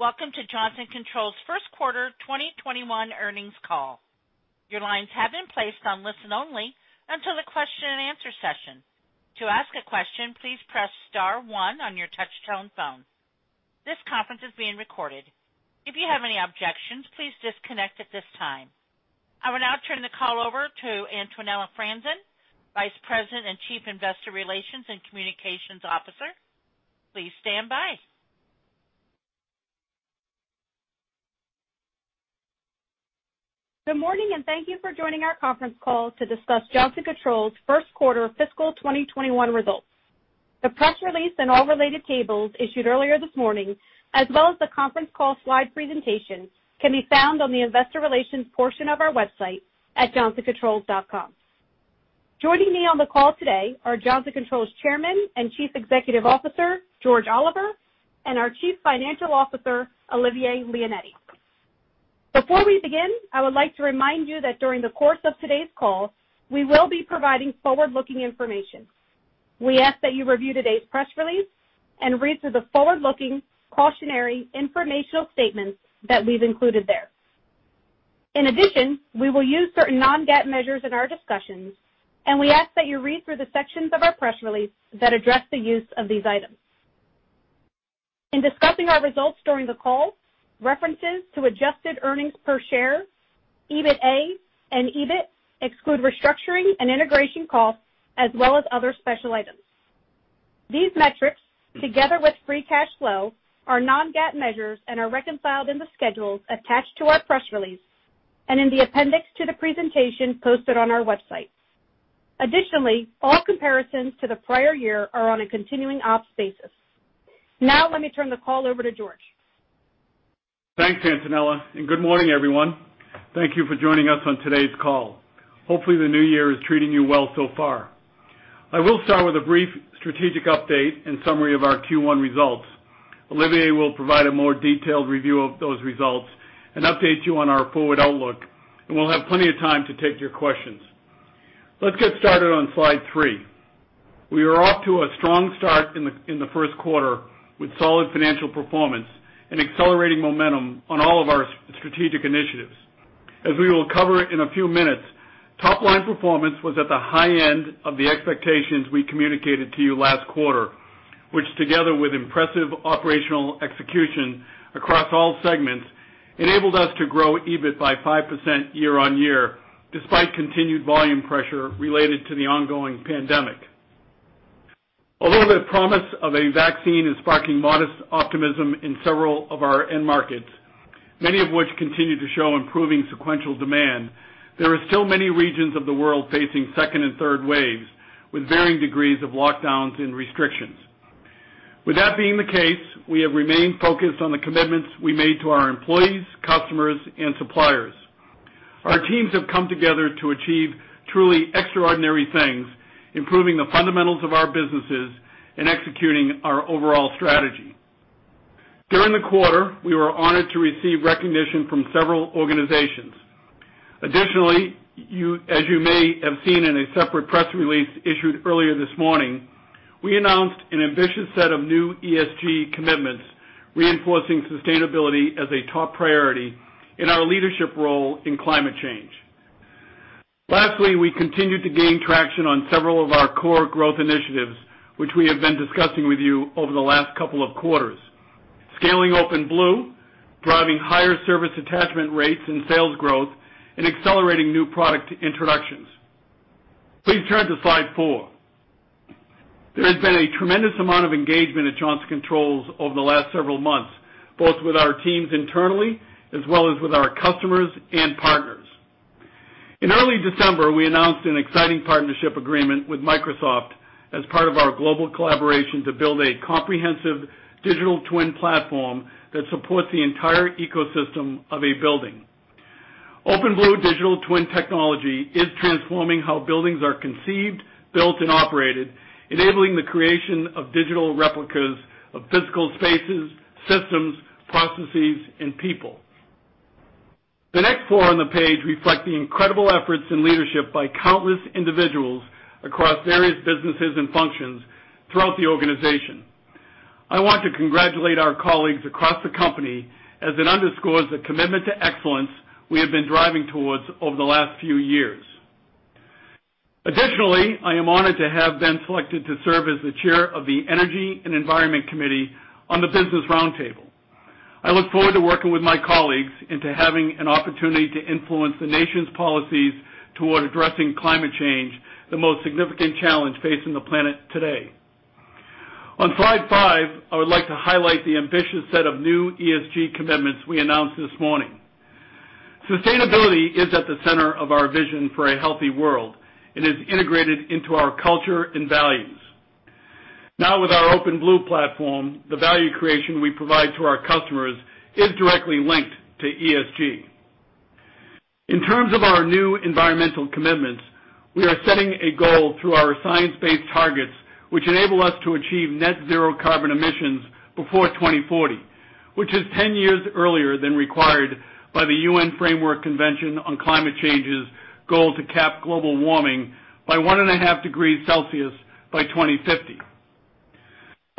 Good morning. Welcome to Johnson Controls' first quarter 2021 earnings call. I will now turn the call over to Antonella Franzen, Vice President and Chief Investor Relations and Communications Officer. Good morning, and thank you for joining our conference call to discuss Johnson Controls' first quarter fiscal 2021 results. The press release and all related tables issued earlier this morning, as well as the conference call slide presentation, can be found on the investor relations portion of our website at johnsoncontrols.com. Joining me on the call today are Johnson Controls Chairman and Chief Executive Officer, George Oliver, and our Chief Financial Officer, Olivier Leonetti. Before we begin, I would like to remind you that during the course of today's call, we will be providing forward-looking information. We ask that you review today's press release and read through the forward-looking cautionary informational statements that we've included there. In addition, we will use certain non-GAAP measures in our discussions, and we ask that you read through the sections of our press release that address the use of these items. In discussing our results during the call, references to adjusted earnings per share, EBITA, and EBIT exclude restructuring and integration costs, as well as other special items. These metrics, together with free cash flow, are non-GAAP measures and are reconciled in the schedules attached to our press release and in the appendix to the presentation posted on our website. All comparisons to the prior year are on a continuing ops basis. Let me turn the call over to George. Thanks, Antonella. Good morning, everyone. Thank you for joining us on today's call. Hopefully, the new year is treating you well so far. I will start with a brief strategic update and summary of our Q1 results. Olivier will provide a more detailed review of those results and update you on our forward outlook. We'll have plenty of time to take your questions. Let's get started on slide three. We are off to a strong start in the first quarter with solid financial performance and accelerating momentum on all of our strategic initiatives. As we will cover in a few minutes, top-line performance was at the high end of the expectations we communicated to you last quarter, which together with impressive operational execution across all segments, enabled us to grow EBIT by 5% year-on-year, despite continued volume pressure related to the ongoing pandemic. Although the promise of a vaccine is sparking modest optimism in several of our end markets, many of which continue to show improving sequential demand, there are still many regions of the world facing second and third waves with varying degrees of lockdowns and restrictions. With that being the case, we have remained focused on the commitments we made to our employees, customers, and suppliers. Our teams have come together to achieve truly extraordinary things, improving the fundamentals of our businesses and executing our overall strategy. During the quarter, we were honored to receive recognition from several organizations. Additionally, as you may have seen in a separate press release issued earlier this morning, we announced an ambitious set of new ESG commitments, reinforcing sustainability as a top priority in our leadership role in climate change. We continued to gain traction on several of our core growth initiatives, which we have been discussing with you over the last couple of quarters. Scaling OpenBlue, driving higher service attachment rates and sales growth, and accelerating new product introductions. Please turn to slide four. There has been a tremendous amount of engagement at Johnson Controls over the last several months, both with our teams internally as well as with our customers and partners. In early December, we announced an exciting partnership agreement with Microsoft as part of our global collaboration to build a comprehensive digital twin platform that supports the entire ecosystem of a building. OpenBlue digital twin technology is transforming how buildings are conceived, built, and operated, enabling the creation of digital replicas of physical spaces, systems, processes, and people. The next four on the page reflect the incredible efforts and leadership by countless individuals across various businesses and functions throughout the organization. I want to congratulate our colleagues across the company as it underscores the commitment to excellence we have been driving towards over the last few years. I am honored to have been selected to serve as the chair of the Energy & Environment Committee on the Business Roundtable. I look forward to working with my colleagues and to having an opportunity to influence the nation's policies toward addressing climate change, the most significant challenge facing the planet today. On slide five, I would like to highlight the ambitious set of new ESG commitments we announced this morning. Sustainability is at the center of our vision for a healthy world and is integrated into our culture and values. Now with our OpenBlue platform, the value creation we provide to our customers is directly linked to ESG. In terms of our new environmental commitments, we are setting a goal through our science-based targets, which enable us to achieve net zero carbon emissions before 2040, which is 10 years earlier than required by the UN Framework Convention on Climate Change's goal to cap global warming by one and a half degrees Celsius by 2050.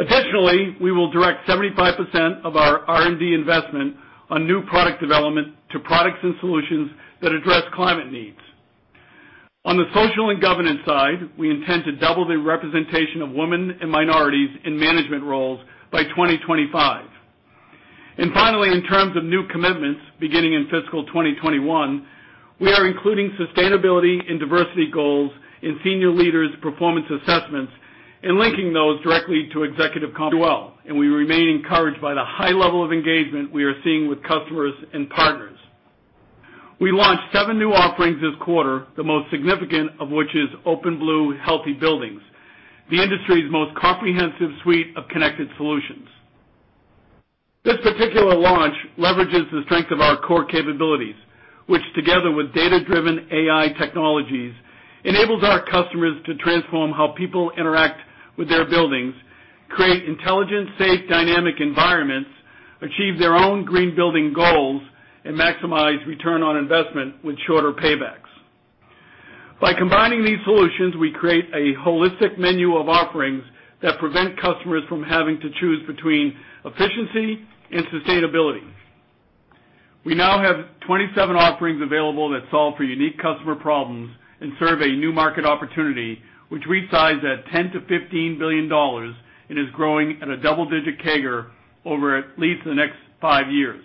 Additionally, we will direct 75% of our R&D investment on new product development to products and solutions that address climate needs. On the social and governance side, we intend to double the representation of women and minorities in management roles by 2025. Finally, in terms of new commitments beginning in fiscal 2021, we are including sustainability and diversity goals in senior leaders' performance assessments and linking those directly to executive compensation as well. We remain encouraged by the high level of engagement we are seeing with customers and partners. We launched seven new offerings this quarter, the most significant of which is OpenBlue Healthy Buildings, the industry's most comprehensive suite of connected solutions. This particular launch leverages the strength of our core capabilities, which together with data-driven AI technologies, enables our customers to transform how people interact with their buildings, create intelligent, safe, dynamic environments, achieve their own green building goals, and maximize return on investment with shorter paybacks. By combining these solutions, we create a holistic menu of offerings that prevent customers from having to choose between efficiency and sustainability. We now have 27 offerings available that solve for unique customer problems and serve a new market opportunity, which we size at $10 billion-$15 billion and is growing at a double-digit CAGR over at least the next five years.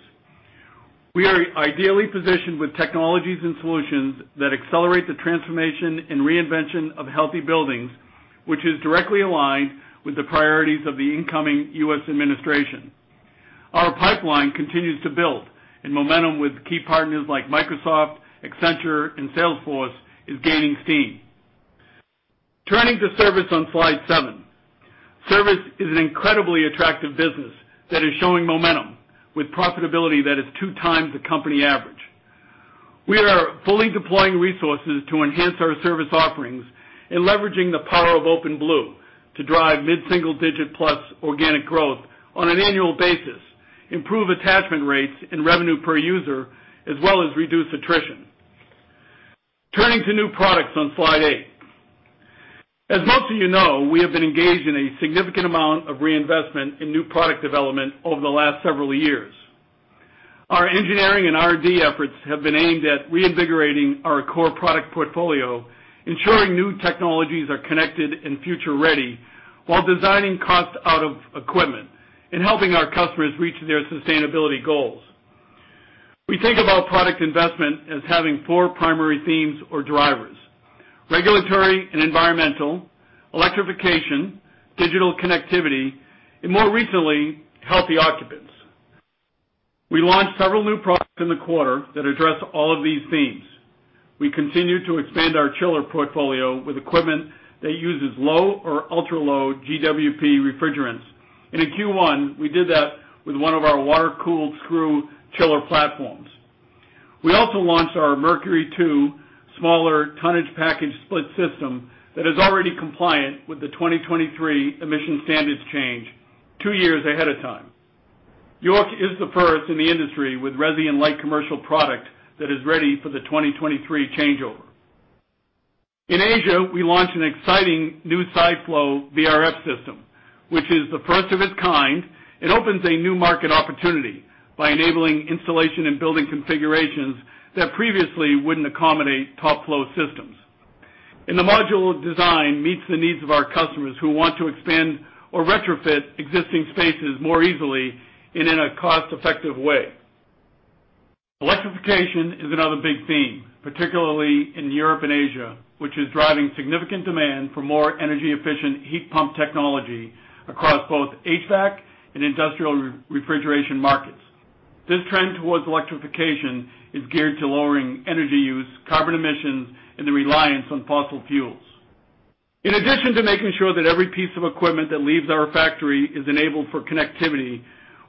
We are ideally positioned with technologies and solutions that accelerate the transformation and reinvention of Healthy Buildings, which is directly aligned with the priorities of the incoming U.S. administration. Our pipeline continues to build. Momentum with key partners like Microsoft, Accenture, and Salesforce is gaining steam. Turning to service on slide seven. Service is an incredibly attractive business that is showing momentum with profitability that is two times the company average. We are fully deploying resources to enhance our service offerings and leveraging the power of OpenBlue to drive mid-single digit plus organic growth on an annual basis, improve attachment rates and revenue per user, as well as reduce attrition. Turning to new products on slide eight. As most of you know, we have been engaged in a significant amount of reinvestment in new product development over the last several years. Our engineering and R&D efforts have been aimed at reinvigorating our core product portfolio, ensuring new technologies are connected and future-ready while designing cost out of equipment and helping our customers reach their sustainability goals. We think about product investment as having four primary themes or drivers: regulatory and environmental, electrification, digital connectivity, and more recently, healthy occupants. We launched several new products in the quarter that address all of these themes. We continue to expand our chiller portfolio with equipment that uses low or ultra-low GWP refrigerants. In Q1, we did that with one of our water-cooled screw chiller platforms. We also launched our Mercury 2 smaller tonnage package split system that is already compliant with the 2023 emission standards change two years ahead of time. YORK is the first in the industry with resi and light commercial product that is ready for the 2023 changeover. In Asia, we launched an exciting new side flow VRF system, which is the first of its kind and opens a new market opportunity by enabling installation and building configurations that previously wouldn't accommodate top flow systems. The modular design meets the needs of our customers who want to expand or retrofit existing spaces more easily and in a cost-effective way. Electrification is another big theme, particularly in Europe and Asia, which is driving significant demand for more energy-efficient heat pump technology across both HVAC and industrial refrigeration markets. This trend towards electrification is geared to lowering energy use, carbon emissions, and the reliance on fossil fuels. In addition to making sure that every piece of equipment that leaves our factory is enabled for connectivity,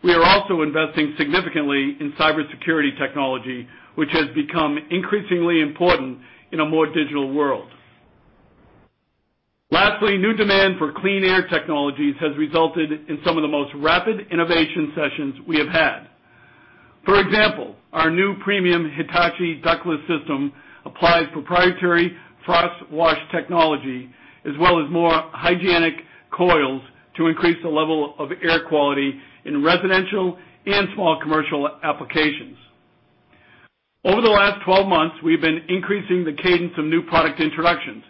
we are also investing significantly in cybersecurity technology, which has become increasingly important in a more digital world. New demand for clean air technologies has resulted in some of the most rapid innovation sessions we have had. For example, our new premium Hitachi ductless system applies proprietary FrostWash technology as well as more hygienic coils to increase the level of air quality in residential and small commercial applications. Over the last 12 months, we've been increasing the cadence of new product introductions,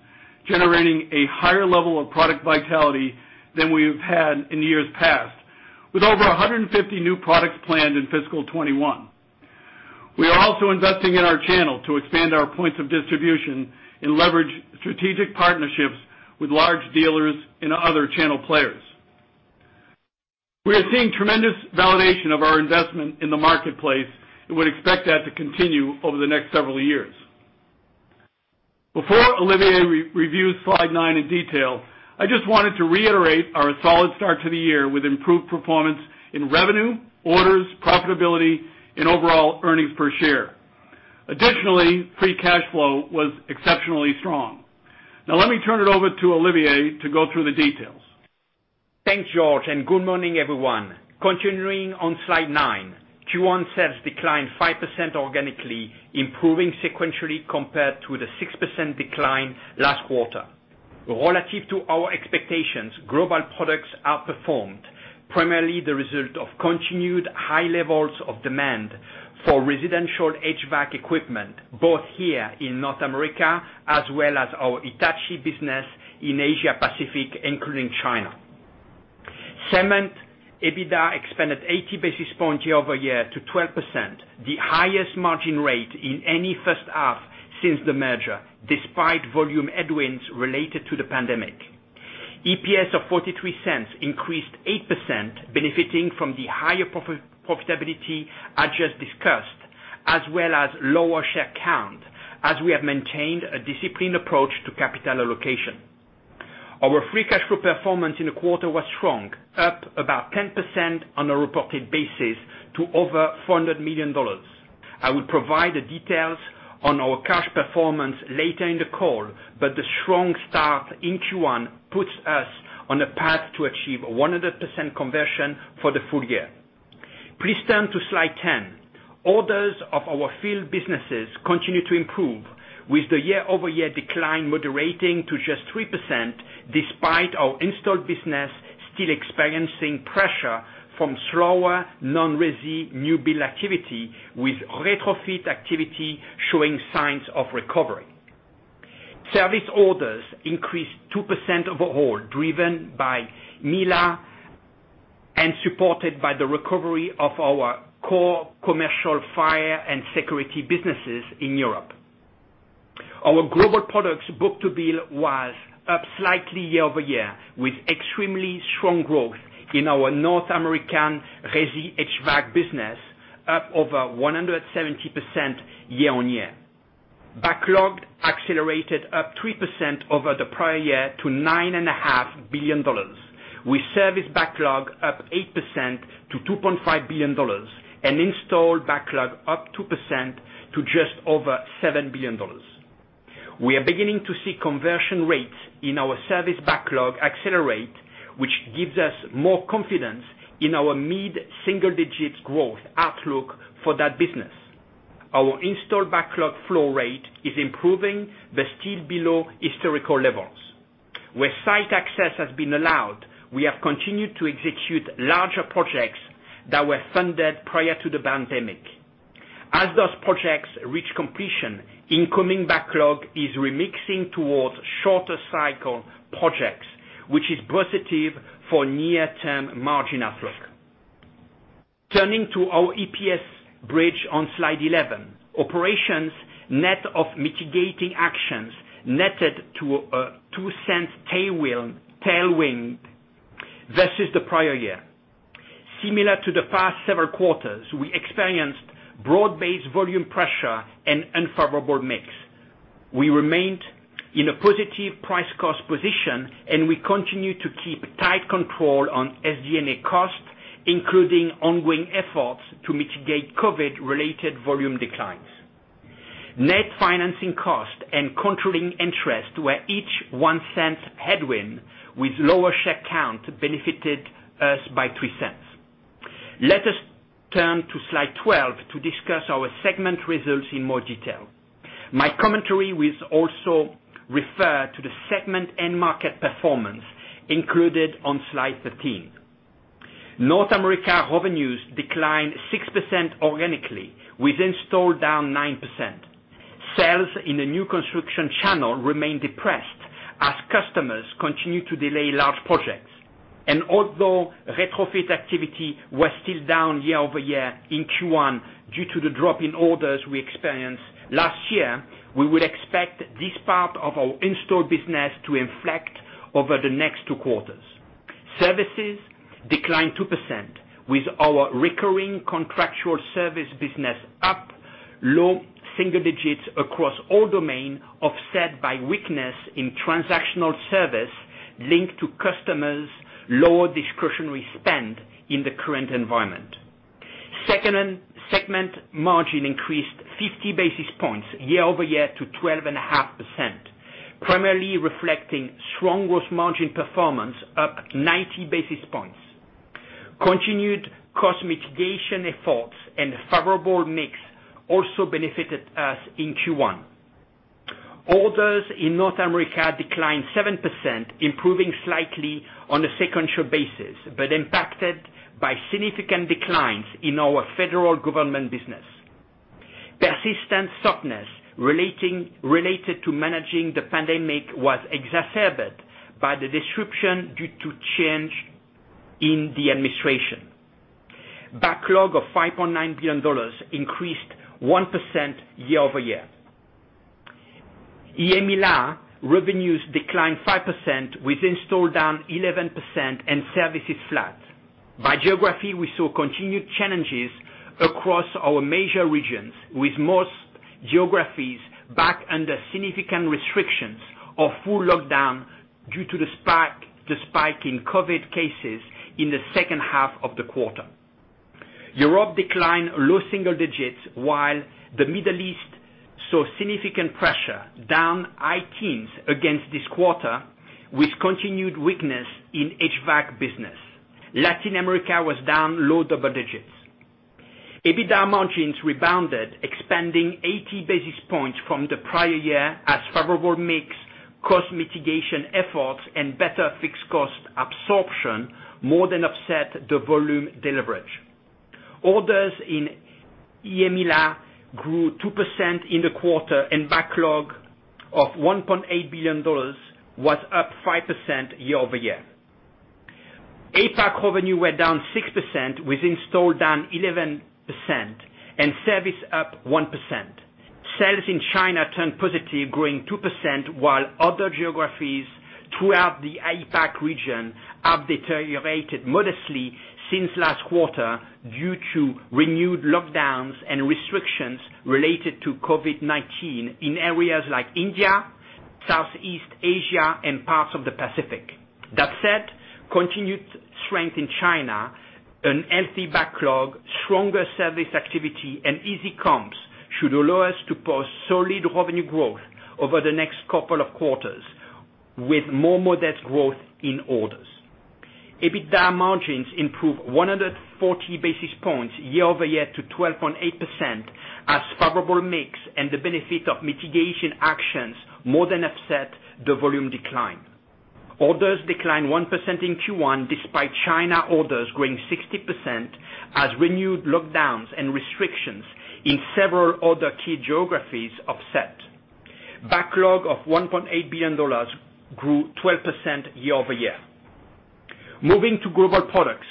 generating a higher level of product vitality than we've had in years past. With over 150 new products planned in fiscal 2021. We are also investing in our channel to expand our points of distribution and leverage strategic partnerships with large dealers and other channel players. We are seeing tremendous validation of our investment in the marketplace and would expect that to continue over the next several years. Before Olivier reviews slide nine in detail, I just wanted to reiterate our solid start to the year with improved performance in revenue, orders, profitability, and overall earnings per share. Free cash flow was exceptionally strong. Let me turn it over to Olivier to go through the details. Thanks, George, and good morning, everyone. Continuing on slide nine, Q1 sales declined 5% organically, improving sequentially compared to the 6% decline last quarter. Relative to our expectations, Global Products outperformed, primarily the result of continued high levels of demand for residential HVAC equipment, both here in North America, as well as our Hitachi business in Asia Pacific, including China. Segment EBITDA expanded 80 basis points year-over-year to 12%, the highest margin rate in any first half since the merger, despite volume headwinds related to the pandemic. EPS of $0.43 increased 8%, benefiting from the higher profitability I just discussed, as well as lower share count, as we have maintained a disciplined approach to capital allocation. Our free cash flow performance in the quarter was strong, up about 10% on a reported basis to over $400 million. I will provide the details on our cash performance later in the call, but the strong start in Q1 puts us on a path to achieve 100% conversion for the full year. Please turn to slide 10. Orders of our field businesses continue to improve with the year-over-year decline moderating to just 3%, despite our installed business still experiencing pressure from slower non-resi new build activity, with retrofit activity showing signs of recovery. Service orders increased 2% overall, driven by EMEALA and supported by the recovery of our core commercial fire and security businesses in Europe. Our Global Products book-to-bill was up slightly year-over-year, with extremely strong growth in our North American resi HVAC business, up over 170% year-on-year. Backlog accelerated up 3% over the prior year to $9.5 billion, with service backlog up 8% to $2.5 billion and installed backlog up 2% to just over $7 billion. We are beginning to see conversion rates in our service backlog accelerate, which gives us more confidence in our mid-single-digit growth outlook for that business. Our installed backlog flow rate is improving but still below historical levels. Where site access has been allowed, we have continued to execute larger projects that were funded prior to the pandemic. As those projects reach completion, incoming backlog is remixing towards shorter cycle projects, which is positive for near-term margin outlook. Turning to our EPS bridge on slide 11, operations net of mitigating actions netted to a $0.02 tailwind versus the prior year. Similar to the past several quarters, we experienced broad-based volume pressure and unfavorable mix. We remained in a positive price-cost position and we continue to keep tight control on SG&A costs, including ongoing efforts to mitigate COVID-related volume declines. Net financing cost and controlling interest were each $0.01 headwind, with lower share count benefited us by $0.03. Let us turn to slide 12 to discuss our segment results in more detail. My commentary will also refer to the segment end market performance included on slide 13. North America revenues declined 6% organically, with install down 9%. Sales in the new construction channel remained depressed as customers continued to delay large projects. Although retrofit activity was still down year-over-year in Q1 due to the drop in orders we experienced last year, we would expect this part of our installed business to inflect over the next two quarters. Services declined 2%, with our recurring contractual service business up low single digits across all domain, offset by weakness in transactional service linked to customers' lower discretionary spend in the current environment. Segment margin increased 50 basis points year-over-year to 12.5%, primarily reflecting strong gross margin performance up 90 basis points. Continued cost mitigation efforts and favorable mix also benefited us in Q1. Orders in North America declined 7%, improving slightly on a sequential basis, but impacted by significant declines in our federal government business. Persistent softness related to managing the pandemic was exacerbated by the disruption due to change in the administration. Backlog of $5.9 billion increased 1% year-over-year. EMEALA revenues declined 5%, with install down 11% and services flat. By geography, we saw continued challenges across our major regions, with most geographies back under significant restrictions or full lockdown due to the spike in COVID-19 cases in the second half of the quarter. Europe declined low single digits, while the Middle East saw significant pressure down high teens against this quarter, with continued weakness in HVAC business. Latin America was down low double digits. EBITDA margins rebounded, expanding 80 basis points from the prior year, as favorable mix, cost mitigation efforts, and better fixed cost absorption more than offset the volume deleverage. Orders in EMEALA grew 2% in the quarter. Backlog of $1.8 billion was up 5% year-over-year. APAC revenue were down 6%, with installed down 11% and service up 1%. Sales in China turned positive, growing 2%, while other geographies throughout the APAC region have deteriorated modestly since last quarter due to renewed lockdowns and restrictions related to COVID-19 in areas like India, Southeast Asia, and parts of the Pacific. That said, continued strength in China, a healthy backlog, stronger service activity, and easy comps should allow us to post solid revenue growth over the next couple of quarters, with more modest growth in orders. EBITDA margins improved 140 basis points year-over-year to 12.8% as favorable mix and the benefit of mitigation actions more than offset the volume decline. Orders declined 1% in Q1 despite China orders growing 60% as renewed lockdowns and restrictions in several other key geographies offset. Backlog of $1.8 billion grew 12% year-over-year. Moving to Global Products.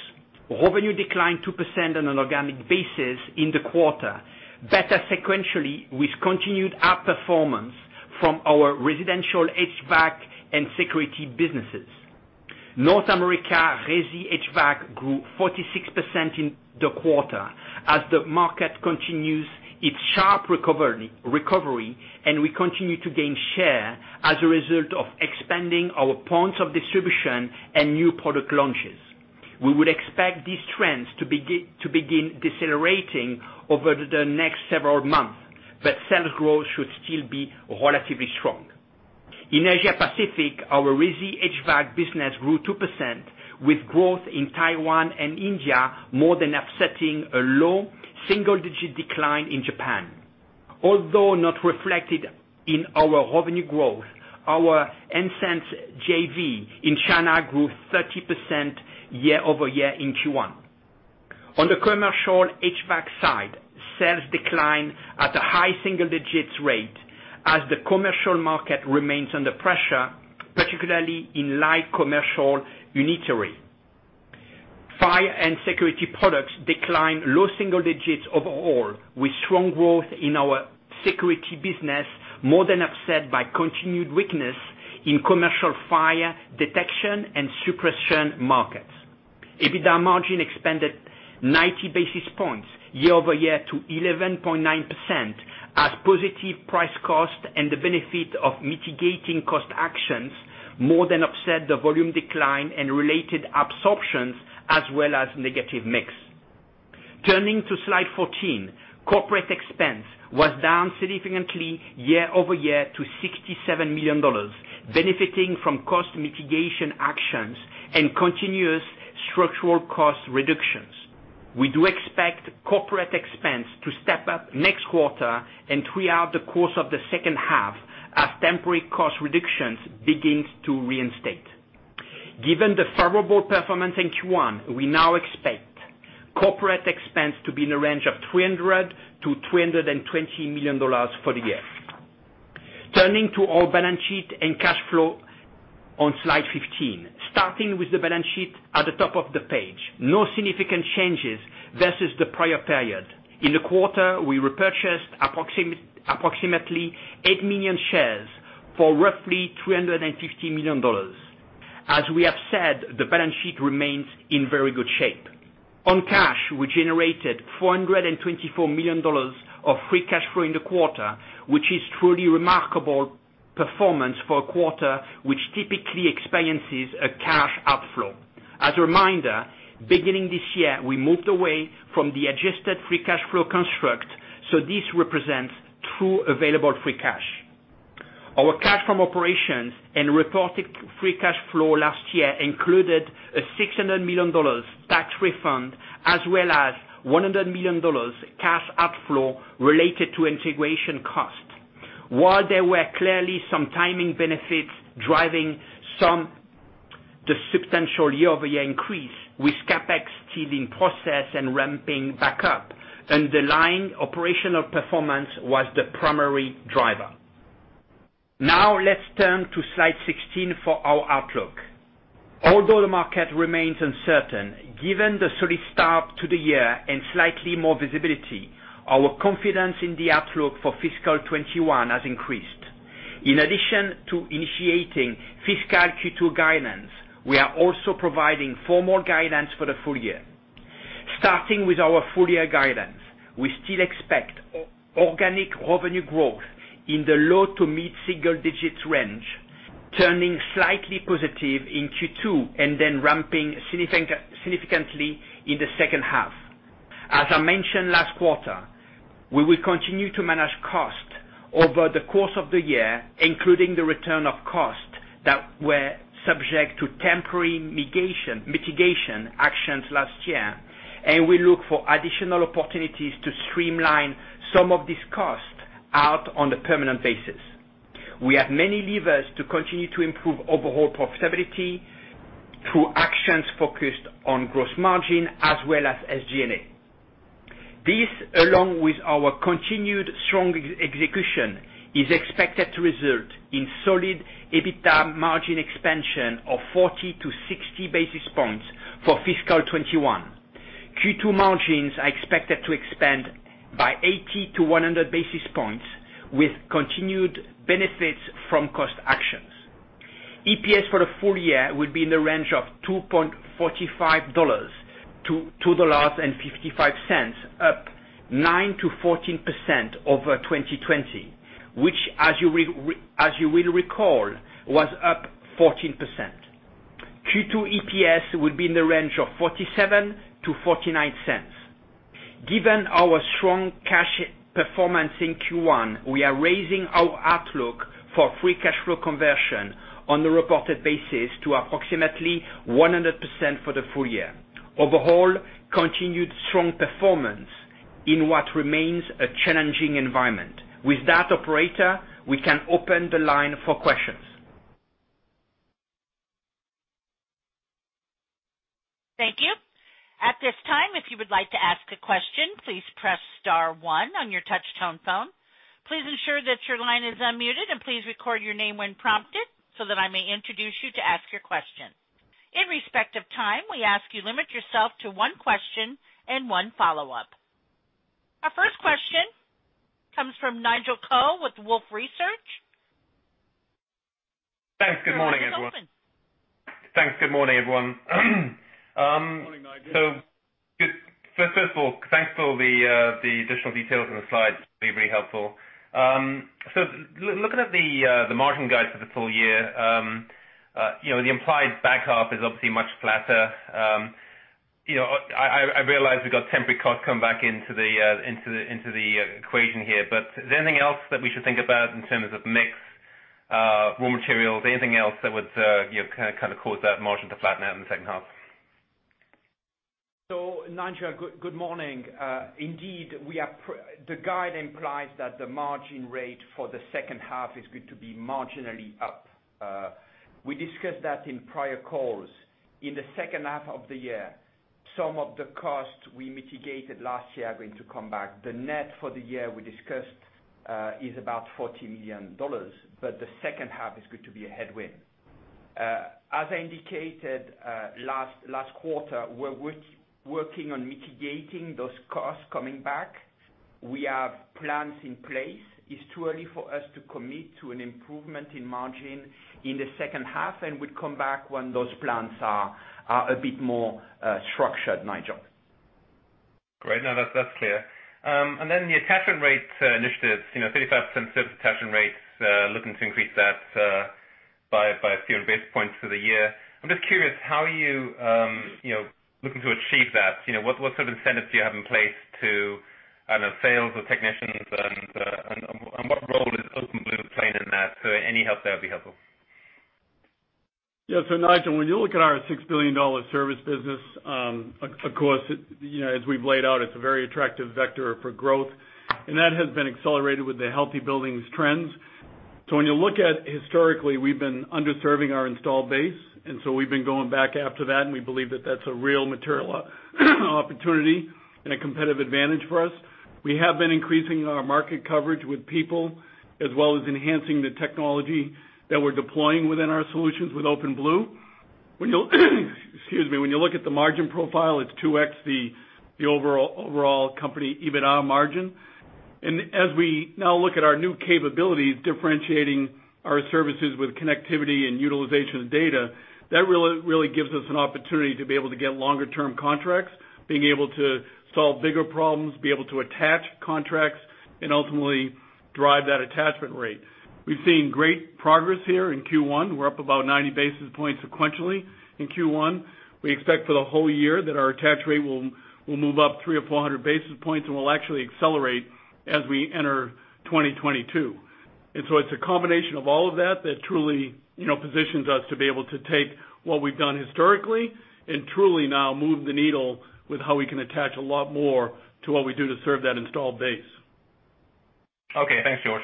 Revenue declined 2% on an organic basis in the quarter, better sequentially, with continued outperformance from our residential HVAC and security businesses. North America resi HVAC grew 46% in the quarter as the market continues its sharp recovery, and we continue to gain share as a result of expanding our points of distribution and new product launches. We would expect these trends to begin decelerating over the next several months, but sales growth should still be relatively strong. In Asia Pacific, our resi HVAC business grew 2%, with growth in Taiwan and India more than offsetting a low single-digit decline in Japan. Although not reflected in our revenue growth, our NSense JV in China grew 30% year over year in Q1. On the commercial HVAC side, sales declined at a high single digits rate as the commercial market remains under pressure, particularly in light commercial unitary. Fire and security products declined low single digits overall, with strong growth in our security business more than offset by continued weakness in commercial fire detection and suppression markets. EBITDA margin expanded 90 basis points year-over-year to 11.9% as positive price cost and the benefit of mitigating cost actions more than offset the volume decline and related absorption, as well as negative mix. Turning to slide 14, corporate expense was down significantly year over year to $67 million, benefiting from cost mitigation actions and continuous structural cost reductions. We do expect corporate expense to step up next quarter and throughout the course of the second half as temporary cost reductions begins to reinstate. Given the favorable performance in Q1, we now expect corporate expense to be in the range of $300 million-$320 million for the year. Turning to our balance sheet and cash flow on slide 15. Starting with the balance sheet at the top of the page, no significant changes versus the prior period. In the quarter, we repurchased approximately 8 million shares for roughly $350 million. As we have said, the balance sheet remains in very good shape. On cash, we generated $424 million of free cash flow in the quarter, which is truly remarkable performance for a quarter which typically experiences a cash outflow. As a reminder, beginning this year, we moved away from the adjusted free cash flow construct, so this represents true available free cash. Our cash from operations and reported free cash flow last year included a $600 million tax refund, as well as $100 million cash outflow related to integration costs. While there were clearly some timing benefits driving some the substantial year-over-year increase, with CapEx still in process and ramping back up, underlying operational performance was the primary driver. Now let's turn to slide 16 for our outlook. Although the market remains uncertain, given the solid start to the year and slightly more visibility, our confidence in the outlook for fiscal 2021 has increased. In addition to initiating fiscal Q2 guidance, we are also providing formal guidance for the full year. Starting with our full-year guidance, we still expect organic revenue growth in the low to mid-single digits range, turning slightly positive in Q2, and then ramping significantly in the second half. As I mentioned last quarter, we will continue to manage cost over the course of the year, including the return of cost that were subject to temporary mitigation actions last year, and we look for additional opportunities to streamline some of these costs out on a permanent basis. We have many levers to continue to improve overall profitability through actions focused on gross margin as well as SG&A. This, along with our continued strong execution, is expected to result in solid EBITDA margin expansion of 40 to 60 basis points for fiscal 2021. Q2 margins are expected to expand by 80 to 100 basis points with continued benefits from cost actions. EPS for the full year will be in the range of $2.45-$2.55, up 9%-14% over 2020, which, as you will recall, was up 14%. Q2 EPS will be in the range of $0.47-$0.49. Given our strong cash performance in Q1, we are raising our outlook for free cash flow conversion on a reported basis to approximately 100% for the full year. Overall, continued strong performance in what remains a challenging environment. With that, operator, we can open the line for questions. Thank you. In respect of time, we ask you limit yourself to one question and one follow-up. Our first question comes from Nigel Coe with Wolfe Research. Thanks. Good morning, everyone. Your line is open. Thanks. Good morning, everyone. Morning, Nigel. First of all, thanks for the additional details in the slides. Very helpful. Looking at the margin guide for the full year, the implied back half is obviously much flatter. I realize we've got temporary costs come back into the equation here, but is there anything else that we should think about in terms of mix, raw materials, anything else that would kind of cause that margin to flatten out in the second half? Nigel, good morning. Indeed, the guide implies that the margin rate for the second half is going to be marginally up. We discussed that in prior calls. In the second half of the year, some of the costs we mitigated last year are going to come back. The net for the year we discussed, is about $40 million, but the second half is going to be a headwind. As I indicated last quarter, we're working on mitigating those costs coming back. We have plans in place. It's too early for us to commit to an improvement in margin in the second half, and we'd come back when those plans are a bit more structured, Nigel. Great. No, that's clear. The attachment rates initiatives, 35% service attachment rates, looking to increase that by a few basis points for the year. I'm just curious, how are you looking to achieve that? What sort of incentives do you have in place to sales or technicians and what role does OpenBlue play in that? Any help there would be helpful. Nigel, when you look at our $6 billion service business, of course, as we've laid out, it's a very attractive vector for growth, and that has been accelerated with the healthy buildings trends. When you look at historically, we've been under-serving our installed base, we've been going back after that, and we believe that that's a real material opportunity and a competitive advantage for us. We have been increasing our market coverage with people, as well as enhancing the technology that we're deploying within our solutions with OpenBlue. When you, excuse me, when you look at the margin profile, it's 2x the overall company EBITDA margin. As we now look at our new capabilities differentiating our services with connectivity and utilization of data, that really gives us an opportunity to be able to get longer term contracts, being able to solve bigger problems, be able to attach contracts, and ultimately drive that attachment rate. We've seen great progress here in Q1. We're up about 90 basis points sequentially in Q1. We expect for the whole year that our attach rate will move up 300 or 400 basis points, and we'll actually accelerate as we enter 2022. It's a combination of all of that that truly positions us to be able to take what we've done historically and truly now move the needle with how we can attach a lot more to what we do to serve that installed base. Okay. Thanks, George.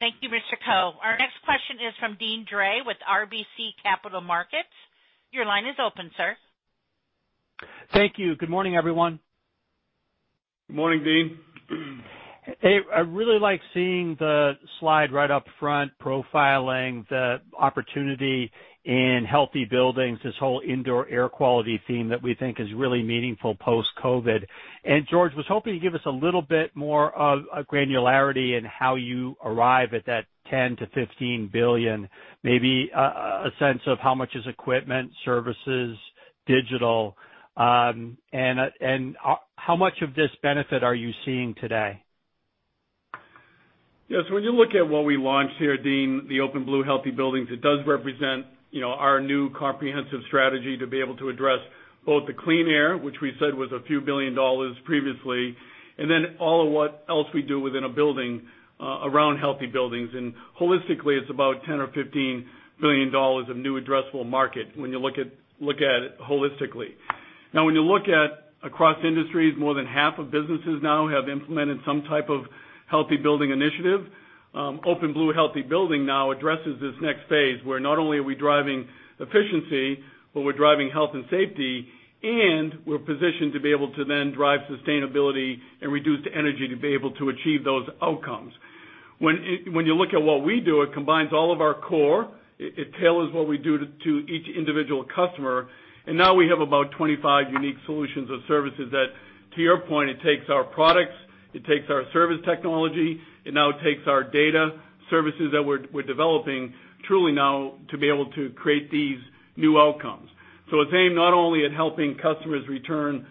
Thank you, Mr. Coe. Our next question is from Deane Dray with RBC Capital Markets. Your line is open, sir. Thank you. Good morning, everyone. Morning, Deane. Hey, I really like seeing this slide right up front profiling the opportunity in healthy buildings, this whole indoor air quality theme that we think is really meaningful post-COVID. George, I was hoping you'd give us a little bit more of a granularity in how you arrive at that $10 billion-$15 billion, maybe a sense of how much is equipment, services, digital, and how much of this benefit are you seeing today? When you look at what we launched here, Deane, the OpenBlue Healthy Buildings, it does represent our new comprehensive strategy to be able to address both the clean air, which we said was a few billion dollars previously, and then all of what else we do within a building around healthy buildings. Holistically, it's about $10 billion or $15 billion of new addressable market when you look at it holistically. When you look at across industries, more than half of businesses now have implemented some type of healthy building initiative. OpenBlue Healthy Buildings now addresses this next phase, where not only are we driving efficiency, but we're driving health and safety, and we're positioned to be able to then drive sustainability and reduced energy to be able to achieve those outcomes. When you look at what we do, it combines all of our core. It tailors what we do to each individual customer. Now we have about 25 unique solutions of services that, to your point, it takes our products, it takes our service technology, it now takes our data services that we're developing truly now to be able to create these new outcomes. It's aimed not only at helping customers return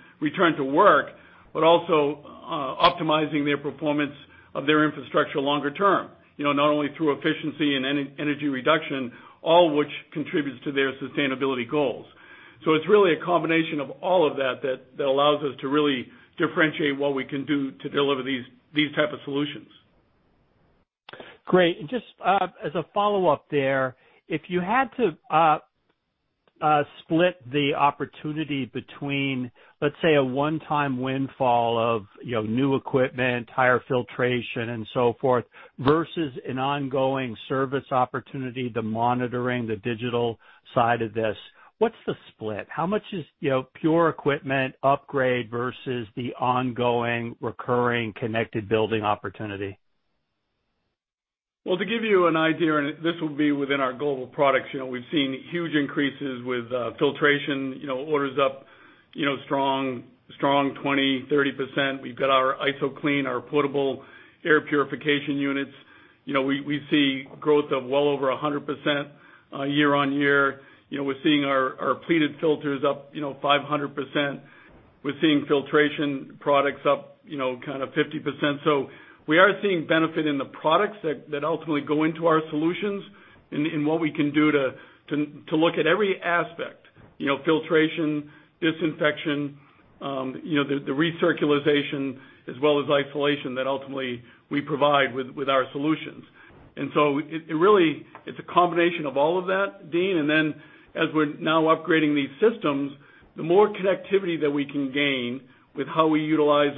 to work, but also optimizing their performance of their infrastructure longer term. Not only through efficiency and energy reduction, all which contributes to their sustainability goals. It's really a combination of all of that allows us to really differentiate what we can do to deliver these type of solutions. Great. Just as a follow-up there, if you had to split the opportunity between, let's say, a one-time windfall of new equipment, higher filtration and so forth, versus an ongoing service opportunity, the monitoring, the digital side of this, what's the split? How much is pure equipment upgrade versus the ongoing recurring connected building opportunity? Well, to give you an idea, this will be within our Global Products, we've seen huge increases with filtration, orders up strong 20%, 30%. We've got our IsoClean, our portable air purification units. We see growth of well over 100% year-on-year. We're seeing our pleated filters up 500%. We're seeing filtration products up 50%. We are seeing benefit in the products that ultimately go into our solutions and what we can do to look at every aspect, filtration, disinfection, the recirculation as well as isolation that ultimately we provide with our solutions. Really, it's a combination of all of that, Deane. As we're now upgrading these systems, the more connectivity that we can gain with how we utilize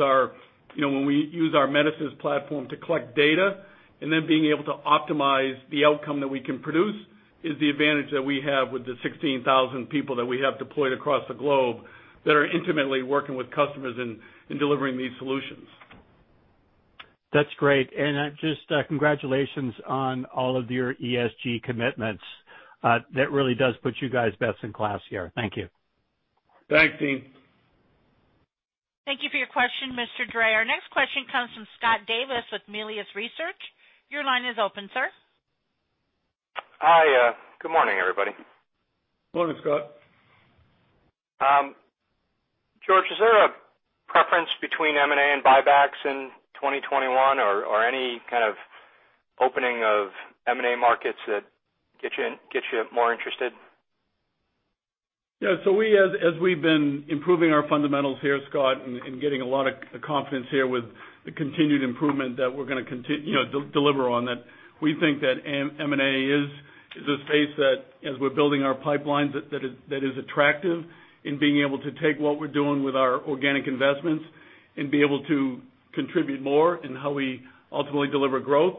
When we use our Metasys platform to collect data and then being able to optimize the outcome that we can produce is the advantage that we have with the 16,000 people that we have deployed across the globe that are intimately working with customers in delivering these solutions. That's great. Just congratulations on all of your ESG commitments. That really does put you guys best in class here. Thank you. Thanks, Deane. Thank you for your question, Mr. Dray. Our next question comes from Scott Davis with Melius Research. Your line is open, sir. Hi. Good morning, everybody. Morning, Scott. George, is there a preference between M&A and buybacks in 2021 or any kind of opening of M&A markets that gets you more interested? Yeah. As we've been improving our fundamentals here, Scott, and getting a lot of confidence here with the continued improvement that we're going to deliver on that, we think that M&A is a space that, as we're building our pipelines, that is attractive in being able to take what we're doing with our organic investments and be able to contribute more in how we ultimately deliver growth.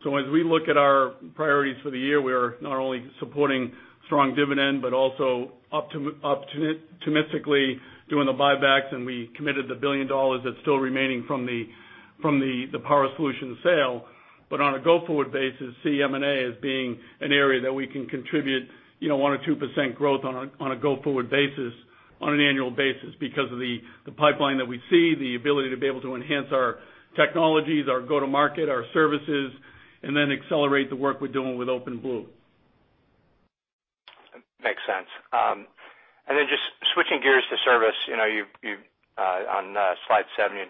As we look at our priorities for the year, we are not only supporting strong dividend, but also optimistically doing the buybacks, and we committed the $1 billion that's still remaining from the Power Solutions sale. On a go-forward basis, see M&A as being an area that we can contribute 1% or 2% growth on a go-forward basis on an annual basis because of the pipeline that we see, the ability to be able to enhance our technologies, our go-to-market, our services, and then accelerate the work we're doing with OpenBlue. Makes sense. Then just switching gears to service. On slide 17, you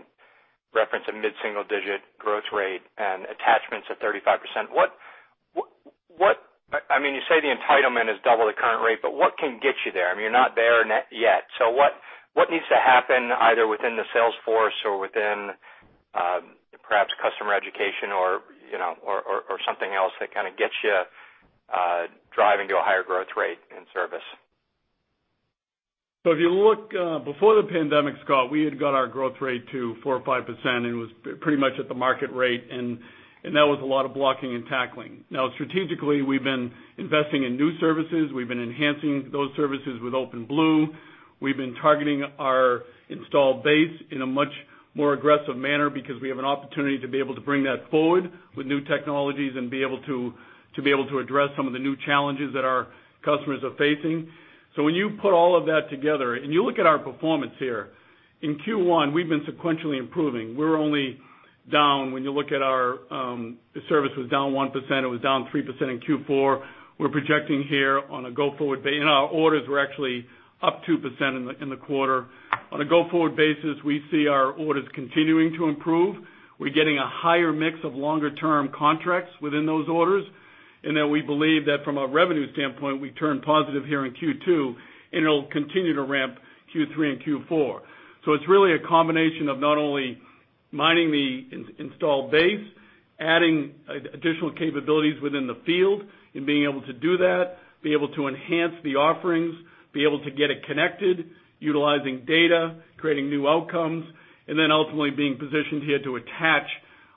referenced a mid-single-digit growth rate and attachments at 35%. You say the entitlement is double the current rate, what can get you there? I mean, you're not there yet. What needs to happen either within the sales force or within perhaps customer education or something else that kind of gets you driving to a higher growth rate in service? If you look before the pandemic, Scott, we had got our growth rate to 4%, 5%, and it was pretty much at the market rate, and that was a lot of blocking and tackling. Strategically, we've been investing in new services. We've been enhancing those services with OpenBlue. We've been targeting our installed base in a much more aggressive manner because we have an opportunity to be able to bring that forward with new technologies and to be able to address some of the new challenges that our customers are facing. When you put all of that together and you look at our performance here, in Q1, we've been sequentially improving. We're only down. When you look at our service was down 1%, it was down 3% in Q4. We're projecting here on a go-forward. Our orders were actually up 2% in the quarter. On a go-forward basis, we see our orders continuing to improve. We're getting a higher mix of longer-term contracts within those orders. We believe that from a revenue standpoint, we turn positive here in Q2, and it'll continue to ramp Q3 and Q4. It's really a combination of not only mining the installed base, adding additional capabilities within the field and being able to do that, be able to enhance the offerings, be able to get it connected, utilizing data, creating new outcomes, ultimately being positioned here to attach.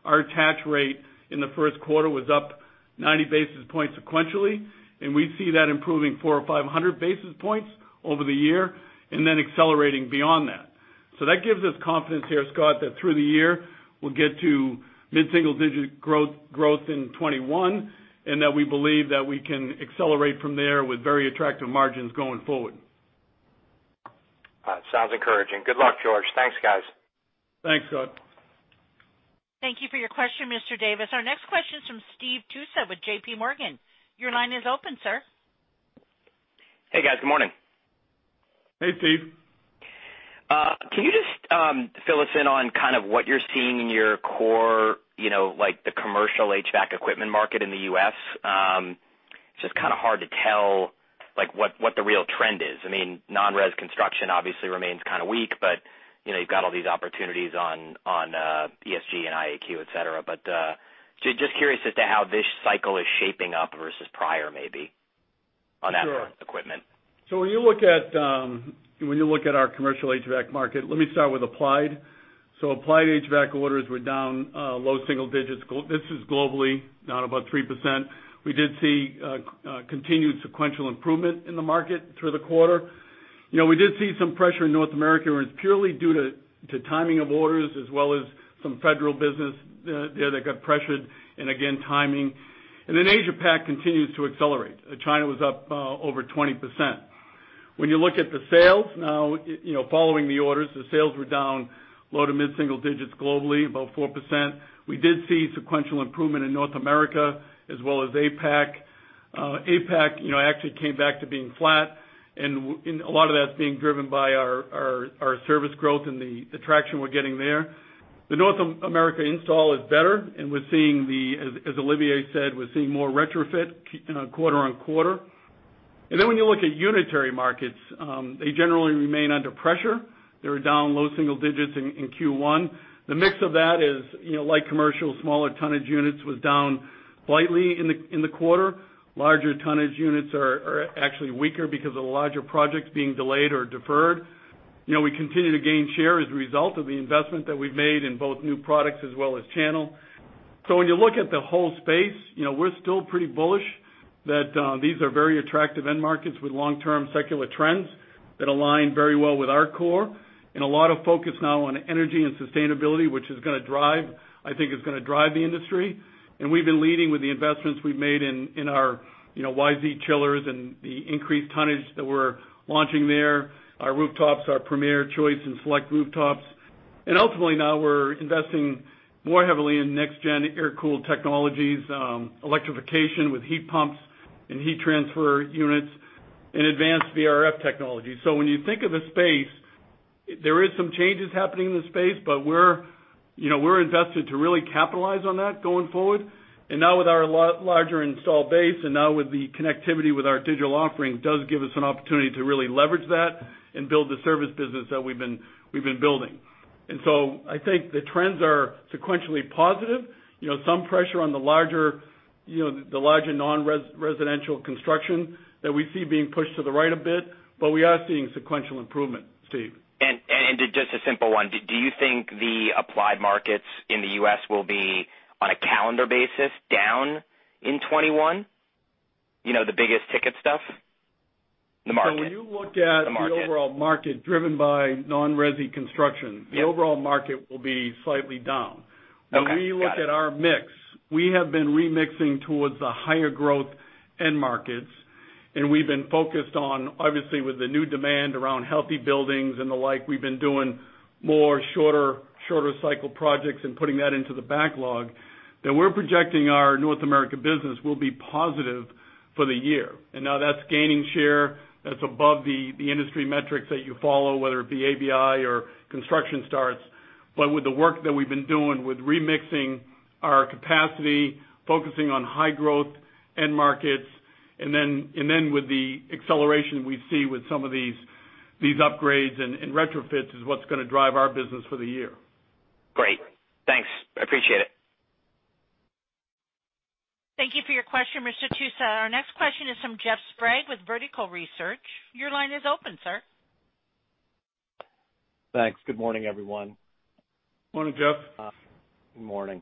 Our attach rate in the first quarter was up 90 basis points sequentially. We see that improving 4 or 500 basis points over the year, accelerating beyond that. That gives us confidence here, Scott, that through the year we'll get to mid-single digit growth in 2021, and that we believe that we can accelerate from there with very attractive margins going forward. Sounds encouraging. Good luck, George. Thanks, guys. Thanks, Scott. Thank you for your question, Mr. Davis. Our next question is from Steve Tusa with JPMorgan. Your line is open, sir. Hey, guys. Good morning. Hey, Steve. Can you just fill us in on kind of what you're seeing in your core, like the commercial HVAC equipment market in the U.S.? It's just kind of hard to tell what the real trend is. Non-res construction obviously remains kind of weak, but you've got all these opportunities on ESG and IAQ, et cetera. Just curious as to how this cycle is shaping up versus prior, maybe, on that equipment. Sure. When you look at our commercial HVAC market, let me start with Applied. Applied HVAC orders were down low single digits. This is globally, down about 3%. We did see continued sequential improvement in the market through the quarter. We did see some pressure in North America, where it's purely due to timing of orders as well as some federal business there that got pressured, and again, timing. Asia-Pac continues to accelerate. China was up over 20%. When you look at the sales, now following the orders, the sales were down low to mid single digits globally, about 4%. We did see sequential improvement in North America as well as APAC. APAC actually came back to being flat, and a lot of that's being driven by our service growth and the traction we're getting there. The North America install is better, as Olivier said, we're seeing more retrofit quarter-on-quarter. When you look at unitary markets, they generally remain under pressure. They were down low single digits in Q1. The mix of that is light commercial, smaller tonnage units was down slightly in the quarter. Larger tonnage units are actually weaker because of the larger projects being delayed or deferred. We continue to gain share as a result of the investment that we've made in both new products as well as channel. When you look at the whole space, we're still pretty bullish that these are very attractive end markets with long-term secular trends that align very well with our core. A lot of focus now on energy and sustainability, which is going to drive, I think it's going to drive the industry. We've been leading with the investments we've made in our YZ chillers and the increased tonnage that we're launching there, our rooftops, our Premier Choice and Select rooftops. Ultimately, now we're investing more heavily in next-gen air-cooled technologies, electrification with heat pumps and heat transfer units, and advanced VRF technology. When you think of the space, there is some changes happening in the space, but we're invested to really capitalize on that going forward. Now with our larger install base and now with the connectivity with our digital offering, does give us an opportunity to really leverage that and build the service business that we've been building. I think the trends are sequentially positive. Some pressure on the larger non-residential construction that we see being pushed to the right a bit, but we are seeing sequential improvement, Steve. Just a simple one. Do you think the Applied markets in the U.S. will be, on a calendar basis, down in 2021? The biggest ticket stuff? The market. When you look at the overall market driven by non-resi construction. Yep. The overall market will be slightly down. Okay. Got it. When we look at our mix, we have been remixing towards the higher growth end markets, and we've been focused on, obviously with the new demand around healthy buildings and the like, we've been doing more shorter cycle projects and putting that into the backlog, that we're projecting our North America business will be positive for the year. Now that's gaining share, that's above the industry metrics that you follow, whether it be ABI or construction starts. With the work that we've been doing with remixing our capacity, focusing on high growth end markets, and then with the acceleration we see with some of these upgrades and retrofits is what's going to drive our business for the year. Great. Thanks. I appreciate it. Thank you for your question, Mr. Tusa. Our next question is from Jeff Sprague with Vertical Research. Your line is open, sir. Thanks. Good morning, everyone. Morning, Jeff. Good morning.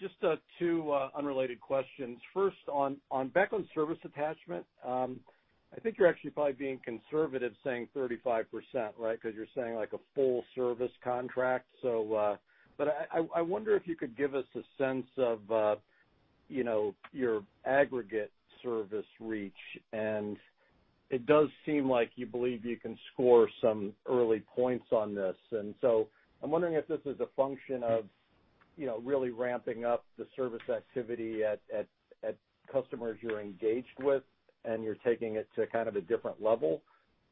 Just two unrelated questions. First, back on service attachment. I think you're actually probably being conservative saying 35%, right? You're saying like a full service contract. I wonder if you could give us a sense of your aggregate service reach. It does seem like you believe you can score some early points on this. I'm wondering if this is a function of really ramping up the service activity at customers you're engaged with and you're taking it to kind of a different level,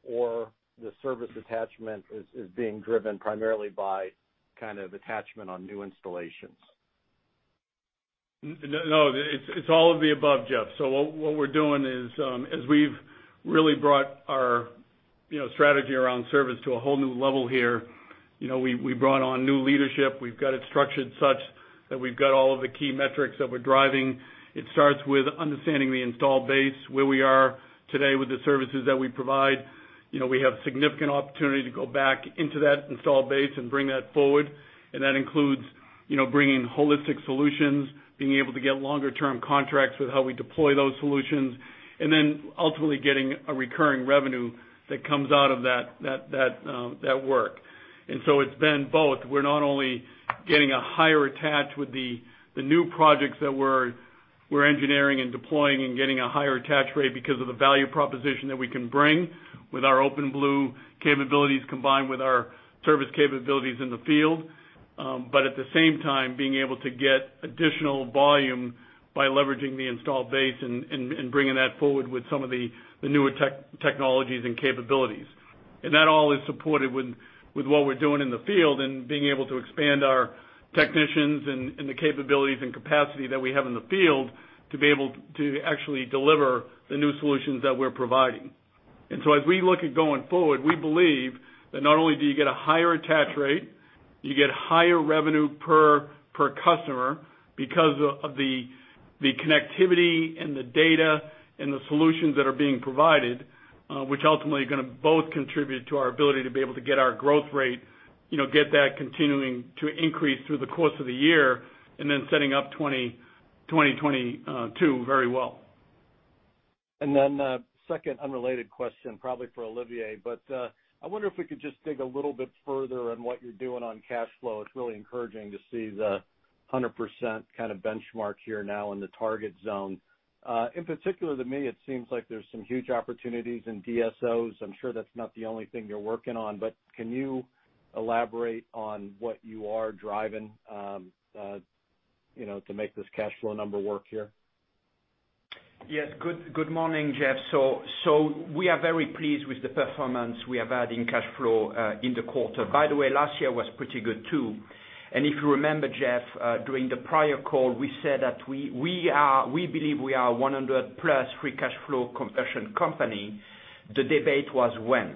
or the service attachment is being driven primarily by kind of attachment on new installations. No, it's all of the above, Jeff. What we're doing is, as we've really brought our strategy around service to a whole new level here. We brought on new leadership. We've got it structured such that we've got all of the key metrics that we're driving. It starts with understanding the installed base, where we are today with the services that we provide. We have significant opportunity to go back into that installed base and bring that forward, and that includes bringing holistic solutions, being able to get longer term contracts with how we deploy those solutions, and then ultimately getting a recurring revenue that comes out of that work. It's been both. We're not only getting a higher attach with the new projects that we're engineering and deploying and getting a higher attach rate because of the value proposition that we can bring with our OpenBlue capabilities, combined with our service capabilities in the field. At the same time, being able to get additional volume by leveraging the installed base and bringing that forward with some of the newer technologies and capabilities. That all is supported with what we're doing in the field and being able to expand our technicians and the capabilities and capacity that we have in the field to be able to actually deliver the new solutions that we're providing. As we look at going forward, we believe that not only do you get a higher attach rate, you get higher revenue per customer because of the connectivity and the data and the solutions that are being provided, which ultimately are going to both contribute to our ability to be able to get our growth rate, get that continuing to increase through the course of the year and then setting up 2022 very well. Second unrelated question, probably for Olivier, but I wonder if we could just dig a little bit further on what you're doing on cash flow. It's really encouraging to see the 100% kind of benchmark here now in the target zone. In particular, to me, it seems like there's some huge opportunities in DSOs. I'm sure that's not the only thing you're working on, but can you elaborate on what you are driving to make this cash flow number work here? Yes. Good morning, Jeff. We are very pleased with the performance we have had in cash flow in the quarter. By the way, last year was pretty good, too. If you remember, Jeff, during the prior call, we said that we believe we are 100-plus free cash flow conversion company. The debate was when.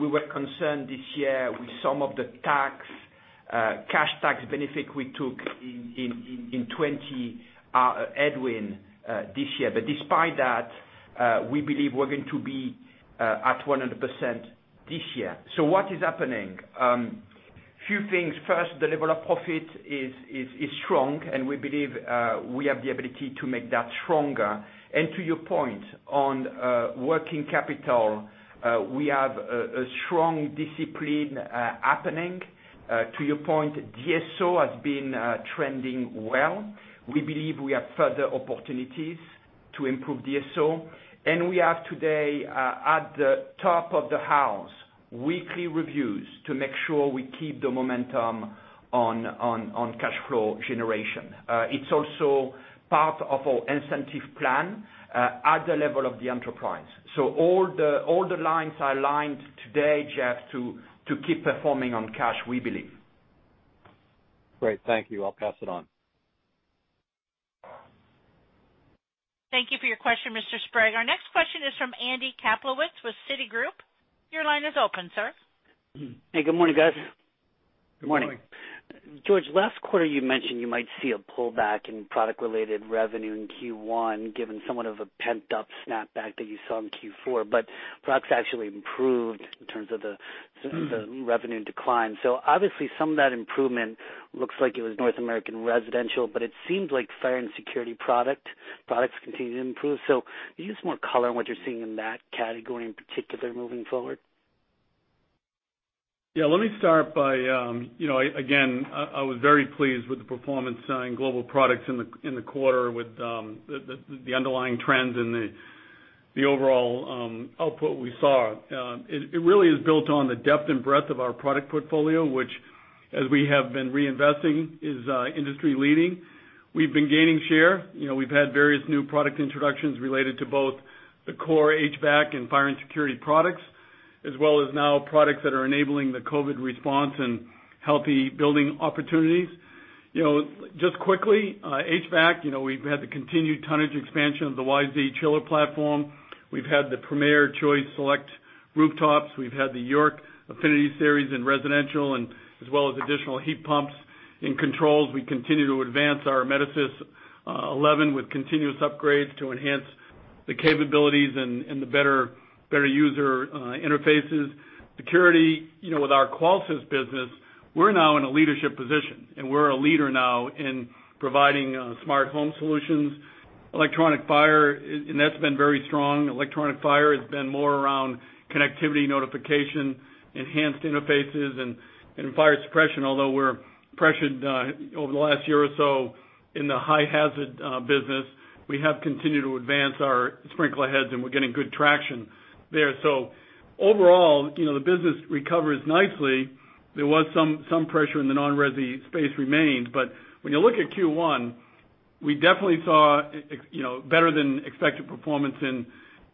We were concerned this year with some of the cash tax benefit we took in 2020 headwind this year. Despite that, we believe we're going to be at 100% this year. What is happening? Few things. First, the level of profit is strong, and we believe we have the ability to make that stronger. To your point on working capital, we have a strong discipline happening. To your point, DSO has been trending well. We believe we have further opportunities to improve DSO. We have today at the top of the house, weekly reviews to make sure we keep the momentum on cash flow generation. It's also part of our incentive plan at the level of the enterprise. All the lines are aligned today, Jeff, to keep performing on cash, we believe. Great. Thank you. I'll pass it on. Thank you for your question, Mr. Sprague. Our next question is from Andy Kaplowitz with Citigroup. Your line is open, sir. Hey, good morning, guys. Good morning. Good morning. George, last quarter you mentioned you might see a pullback in product-related revenue in Q1, given somewhat of a pent-up snapback that you saw in Q4. Products actually improved in terms of the revenue decline. Obviously, some of that improvement looks like it was North American residential. It seems like fire and security products continue to improve. Can you give us more color on what you're seeing in that category in particular moving forward? Yeah, let me start by, again, I was very pleased with the performance in Global Products in the quarter with the underlying trends and the overall output we saw. It really is built on the depth and breadth of our product portfolio, which, as we have been reinvesting, is industry leading. We've been gaining share. We've had various new product introductions related to both the core HVAC and fire and security products, as well as now products that are enabling the COVID response and healthy building opportunities. Just quickly, HVAC, we've had the continued tonnage expansion of the YZ chiller platform. We've had the Premier Choice Select rooftops. We've had the YORK Affinity Series in residential, and as well as additional heat pumps. In controls, we continue to advance our Metasys 11 with continuous upgrades to enhance the capabilities and the better user interfaces. Security, with our Qolsys business, we're now in a leadership position, and we're a leader now in providing smart home solutions. Electronic fire, that's been very strong. Electronic fire has been more around connectivity notification, enhanced interfaces, and fire suppression. Although we're pressured over the last year or so in the high hazard business, we have continued to advance our sprinkler heads, and we're getting good traction there. Overall, the business recovers nicely. There was some pressure in the non-resi space remained. When you look at Q1, we definitely saw better than expected performance in,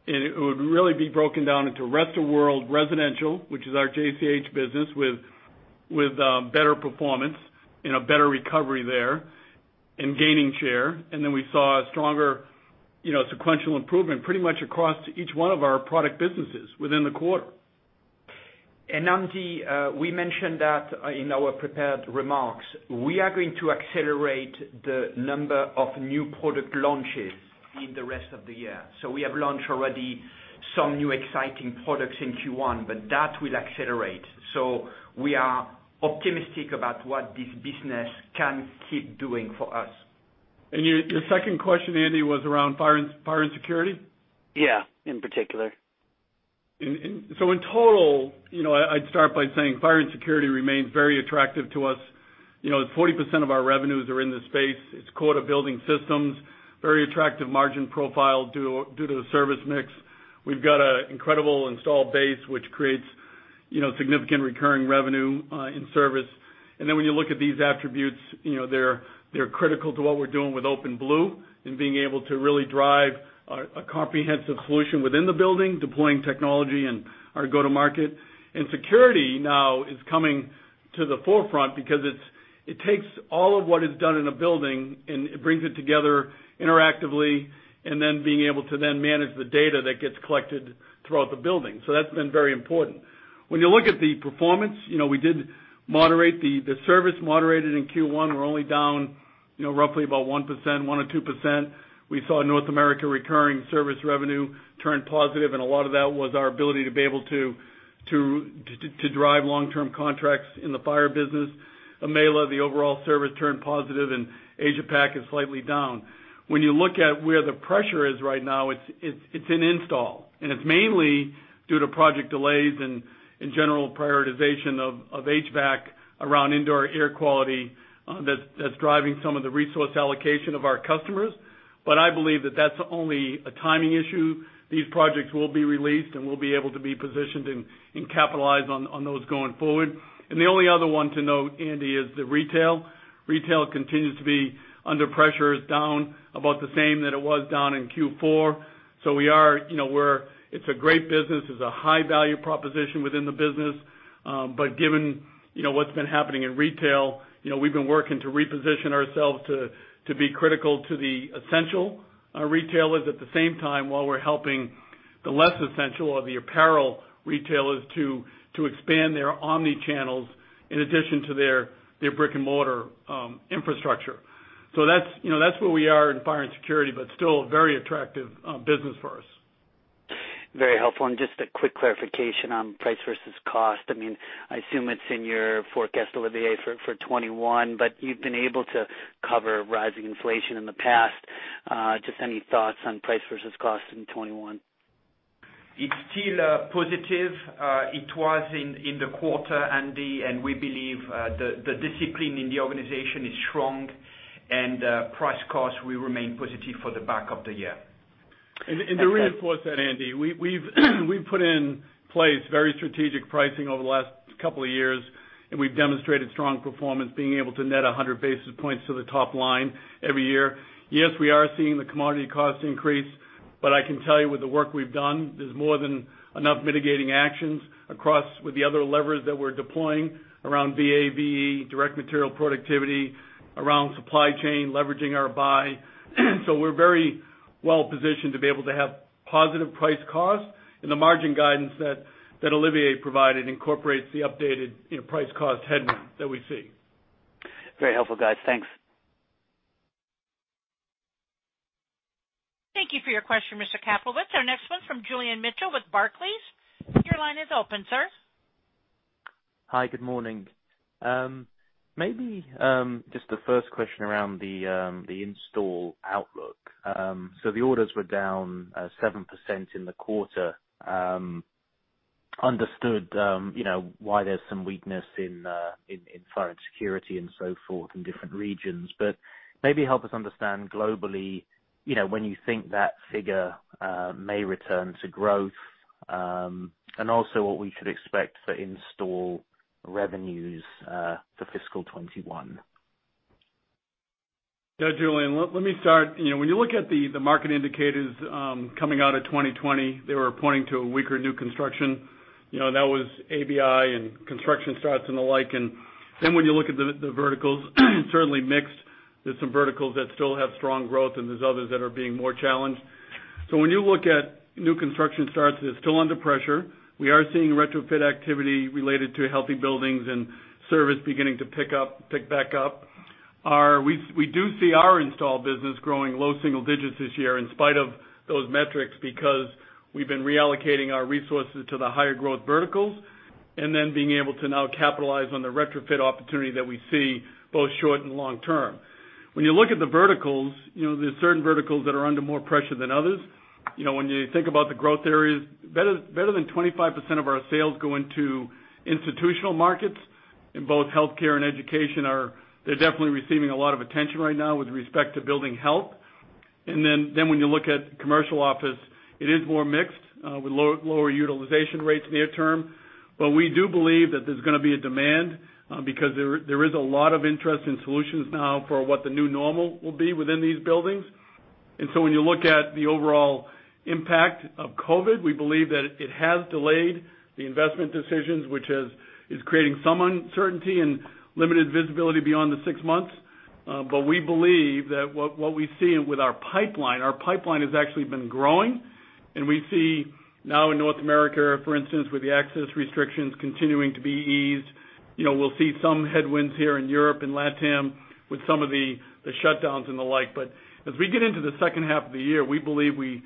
it would really be broken down into rest of world residential, which is our JCH business, with better performance and a better recovery there and gaining share. We saw a stronger sequential improvement pretty much across each one of our product businesses within the quarter. Andy, we mentioned that in our prepared remarks. We are going to accelerate the number of new product launches in the rest of the year. We have launched already some new exciting products in Q1, but that will accelerate. We are optimistic about what this business can keep doing for us. Your second question, Andy, was around fire and security? Yeah, in particular. In total, I'd start by saying fire and security remains very attractive to us. 40% of our revenues are in this space. It's core to building systems, very attractive margin profile due to the service mix. We've got an incredible install base, which creates significant recurring revenue in service. When you look at these attributes, they're critical to what we're doing with OpenBlue and being able to really drive a comprehensive solution within the building, deploying technology and our go-to market. Security now is coming to the forefront because it takes all of what is done in a building and it brings it together interactively, and being able to then manage the data that gets collected throughout the building. That's been very important. When you look at the performance, we did moderate, the service moderated in Q1. We're only down roughly about 1%, 1 or 2%. We saw North America recurring service revenue turn positive, and a lot of that was our ability to be able to drive long-term contracts in the fire business. EMEALA, the overall service turned positive, and Asia PAC is slightly down. When you look at where the pressure is right now, it's in install, and it's mainly due to project delays and general prioritization of HVAC around indoor air quality that's driving some of the resource allocation of our customers. I believe that that's only a timing issue. These projects will be released, and we'll be able to be positioned and capitalize on those going forward. The only other one to note, Andy, is the retail. Retail continues to be under pressure. It's down about the same that it was down in Q4. It's a great business. It's a high-value proposition within the business. Given what's been happening in retail, we've been working to reposition ourselves to be critical to the essential retailers at the same time, while we're helping the less essential or the apparel retailers to expand their omnichannels in addition to their brick and mortar infrastructure. That's where we are in fire and security, but still a very attractive business for us. Very helpful. Just a quick clarification on price versus cost. I assume it's in your forecast, Olivier, for 2021, but you've been able to cover rising inflation in the past. Just any thoughts on price versus cost in 2021? It's still positive. It was in the quarter, Andy, and we believe the discipline in the organization is strong, and price cost will remain positive for the back of the year. To reinforce that, Andy, we've put in place very strategic pricing over the last couple of years, and we've demonstrated strong performance, being able to net 100 basis points to the top line every year. We are seeing the commodity cost increase, but I can tell you with the work we've done, there's more than enough mitigating actions across with the other levers that we're deploying around VAVE, direct material productivity, around supply chain, leveraging our buy. We're very well-positioned to be able to have positive price cost. The margin guidance that Olivier provided incorporates the updated price cost headwind that we see. Very helpful, guys. Thanks. Thank you for your question, Mr. Kaplowitz. Our next one's from Julian Mitchell with Barclays. Your line is open, sir. Hi, good morning. Maybe just the first question around the install outlook. The orders were down 7% in the quarter. Understood why there's some weakness in fire and security and so forth in different regions. Maybe help us understand globally, when you think that figure may return to growth, and also what we should expect for install revenues for fiscal 2021. Yeah, Julian, let me start. When you look at the market indicators coming out of 2020, they were pointing to a weaker new construction. That was ABI and construction starts and the like. When you look at the verticals, certainly mixed. There's some verticals that still have strong growth, and there's others that are being more challenged. When you look at new construction starts, they're still under pressure. We are seeing retrofit activity related to healthy buildings and service beginning to pick back up. We do see our install business growing low single digits this year in spite of those metrics, because we've been reallocating our resources to the higher growth verticals. Being able to now capitalize on the retrofit opportunity that we see both short and long term. When you look at the verticals, there's certain verticals that are under more pressure than others. When you think about the growth areas, better than 25% of our sales go into institutional markets, and both healthcare and education are definitely receiving a lot of attention right now with respect to building health. When you look at commercial office, it is more mixed with lower utilization rates near term. We do believe that there's going to be a demand because there is a lot of interest in solutions now for what the new normal will be within these buildings. When you look at the overall impact of COVID, we believe that it has delayed the investment decisions, which is creating some uncertainty and limited visibility beyond the six months. We believe that what we see with our pipeline, our pipeline has actually been growing. We see now in North America, for instance, with the access restrictions continuing to be eased. We'll see some headwinds here in Europe and LATAM with some of the shutdowns and the like. As we get into the second half of the year, we believe we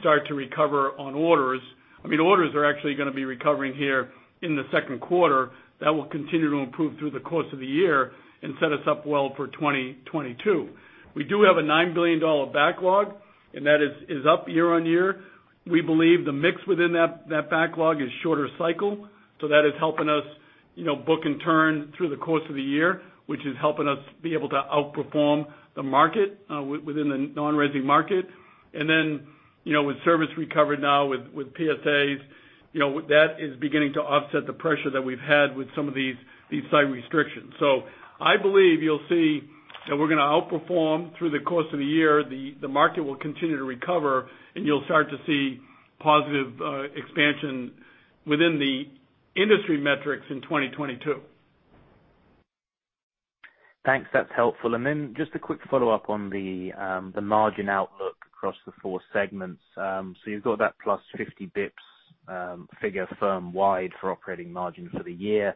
start to recover on orders. Orders are actually going to be recovering here in the second quarter. That will continue to improve through the course of the year and set us up well for 2022. We do have a $9 billion backlog, that is up year-on-year. We believe the mix within that backlog is shorter cycle, that is helping us book and turn through the course of the year, which is helping us be able to outperform the market within the non-resi market. With service recovered now with PSAs, that is beginning to offset the pressure that we've had with some of these site restrictions. I believe you'll see that we're going to outperform through the course of the year. The market will continue to recover, and you'll start to see positive expansion within the industry metrics in 2022. Thanks. That's helpful. Just a quick follow-up on the margin outlook across the four segments. You've got that plus 50 basis points figure firmwide for operating margin for the year.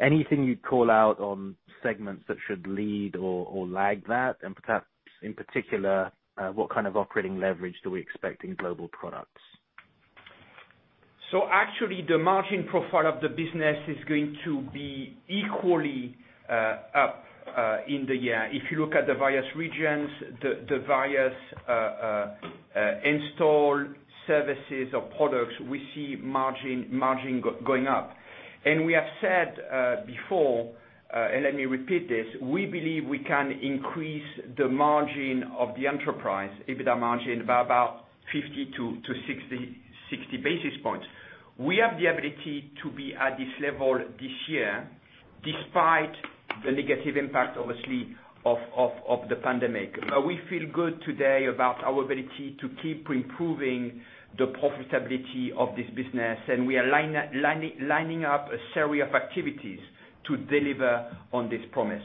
Anything you'd call out on segments that should lead or lag that? Perhaps in particular, what kind of operating leverage do we expect in Global Products? Actually, the margin profile of the business is going to be equally up in the year. If you look at the various regions, the various installed services or products, we see margin going up. We have said before, and let me repeat this, we believe we can increase the margin of the enterprise, EBITDA margin, by about 50-60 basis points. We have the ability to be at this level this year despite the negative impact, obviously of the pandemic. We feel good today about our ability to keep improving the profitability of this business, and we are lining up a series of activities to deliver on this promise.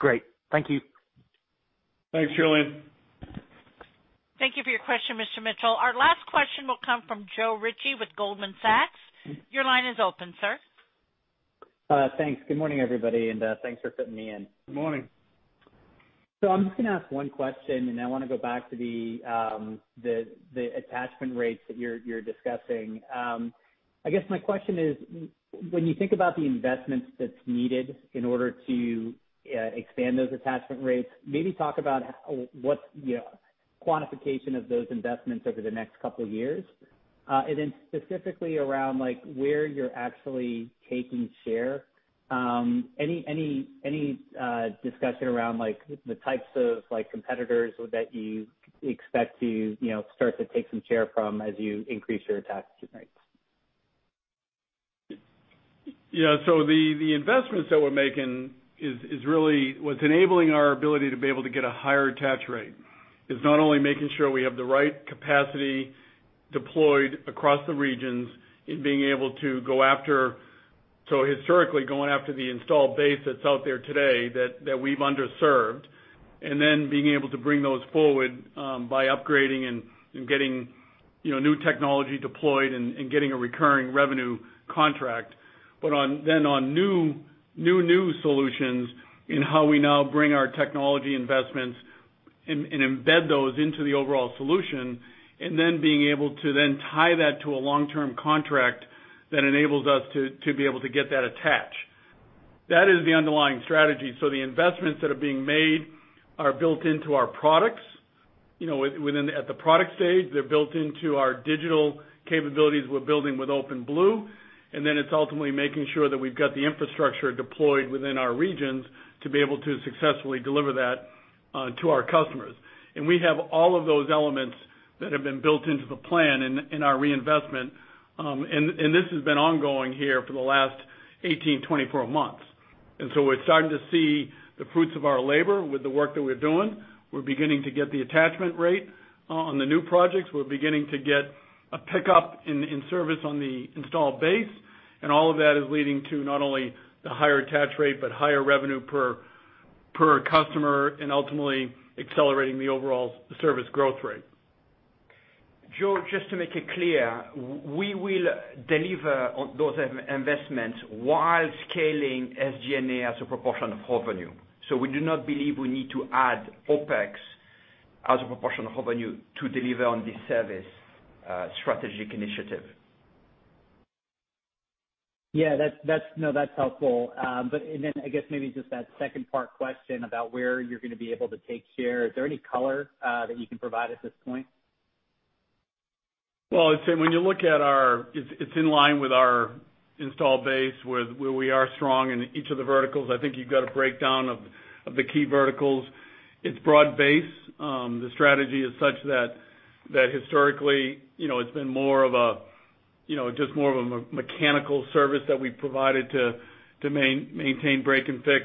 Great. Thank you. Thanks, Julian. Thank you for your question, Mr. Mitchell. Our last question will come from Joe Ritchie with Goldman Sachs. Your line is open, sir. Thanks. Good morning, everybody, and thanks for fitting me in. Good morning. I'm just going to ask one question, and I want to go back to the attachment rates that you're discussing. I guess my question is, when you think about the investments that's needed in order to expand those attachment rates, maybe talk about what's the quantification of those investments over the next couple of years. Then specifically around where you're actually taking share. Any discussion around the types of competitors that you expect to start to take some share from as you increase your attachment rates? The investments that we're making is really what's enabling our ability to be able to get a higher attach rate. It's not only making sure we have the right capacity deployed across the regions and being able to historically, going after the installed base that's out there today that we've underserved, and being able to bring those forward by upgrading and getting new technology deployed and getting a recurring revenue contract. On new solutions in how we now bring our technology investments and embed those into the overall solution, being able to then tie that to a long-term contract that enables us to be able to get that attach. That is the underlying strategy. The investments that are being made are built into our products. At the product stage, they're built into our digital capabilities we're building with OpenBlue, and then it's ultimately making sure that we've got the infrastructure deployed within our regions to be able to successfully deliver that to our customers. We have all of those elements that have been built into the plan in our reinvestment. This has been ongoing here for the last 18, 24 months. So we're starting to see the fruits of our labor with the work that we're doing. We're beginning to get the attachment rate on the new projects. We're beginning to get a pickup in service on the installed base, and all of that is leading to not only the higher attach rate but higher revenue per customer and ultimately accelerating the overall service growth rate. Joe, just to make it clear, we will deliver on those investments while scaling SG&A as a proportion of revenue. We do not believe we need to add OpEx as a proportion of revenue to deliver on this service strategic initiative. Yeah, that's helpful. I guess maybe just that second-part question about where you're going to be able to take share. Is there any color that you can provide at this point? It's in line with our install base, where we are strong in each of the verticals. I think you've got a breakdown of the key verticals. It's broad base. The strategy is such that historically, it's been just more of a mechanical service that we provided to maintain break and fix.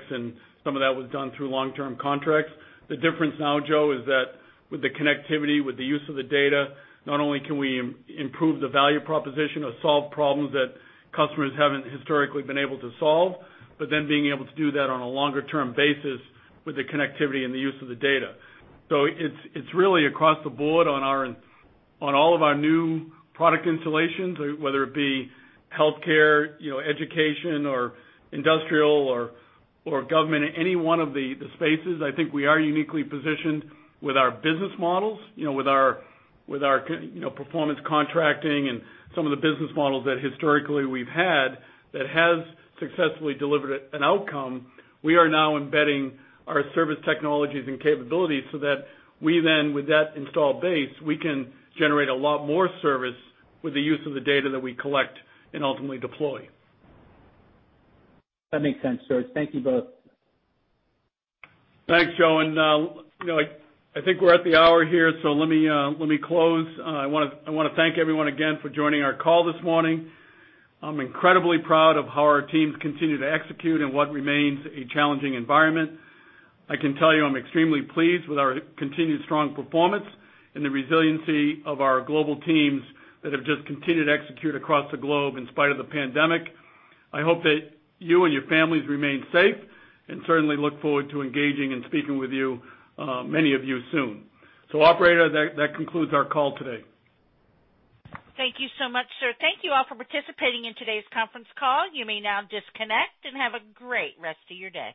Some of that was done through long-term contracts. The difference now, Joe, is that with the connectivity, with the use of the data, not only can we improve the value proposition or solve problems that customers haven't historically been able to solve, but then being able to do that on a longer-term basis with the connectivity and the use of the data. It's really across the board on all of our new product installations, whether it be healthcare, education or industrial or government, any one of the spaces, I think we are uniquely positioned with our business models, with our performance contracting and some of the business models that historically we've had that has successfully delivered an outcome. We are now embedding our service technologies and capabilities so that we then, with that install base, we can generate a lot more service with the use of the data that we collect and ultimately deploy. That makes sense, sirs. Thank you both. Thanks, Joe. I think we're at the hour here. Let me close. I want to thank everyone again for joining our call this morning. I'm incredibly proud of how our teams continue to execute in what remains a challenging environment. I can tell you I'm extremely pleased with our continued strong performance and the resiliency of our global teams that have just continued to execute across the globe in spite of the pandemic. I hope that you and your families remain safe. Certainly look forward to engaging and speaking with you, many of you, soon. Operator, that concludes our call today. Thank you so much, sir. Thank you all for participating in today's conference call. You may now disconnect and have a great rest of your day.